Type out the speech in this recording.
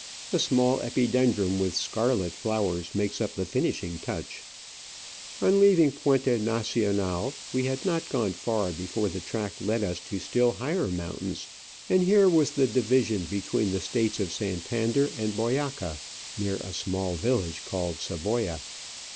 A small Epidendrum with scarlet flowers makes up the finishing touch of colour. On leaving Puente Nacional, we had not gone far before the track led us to still higher mountains, Digitized by V:iOOQIC OF AN Orchid Hunter, 123 and here was the division between the States of Santander and Boyaca, near a small village called Saboya.